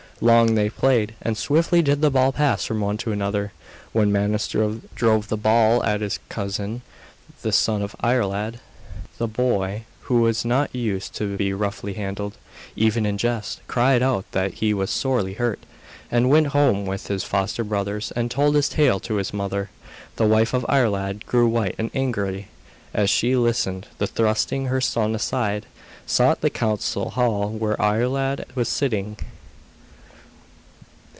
Long they played, and swiftly did the ball pass from one to another, when Manus drove the ball at his cousin, the son of Iarlaid. The boy, who was not used to be roughly handled, even in jest, cried out that he was sorely hurt, and went home with his foster brothers and told his tale to his mother. The wife of Iarlaid grew white and angry as she listened, and thrusting her son aside, sought the council hall where Iarlaid was sitting.